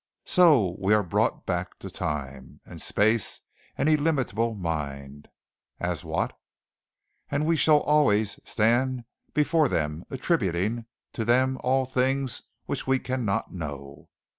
So we are brought back to time and space and illimitable mind as what? And we shall always stand before them attributing to them all those things which we cannot know.